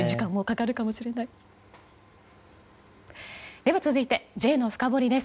では続いてＪのフカボリです。